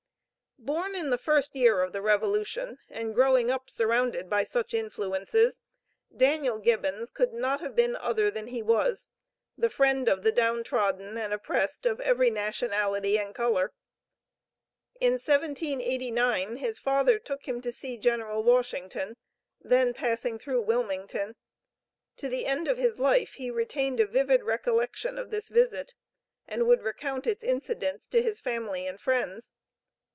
Born in the first year of the revolution and growing up surrounded by such influences, Daniel Gibbons could not have been other than he was, the friend of the down trodden and oppressed of every nationality and color. In 1789 his father took him to see General Washington, then passing through Wilmington. To the end of his life he retained a vivid recollection of this visit, and would recount its incidents to his family and friends.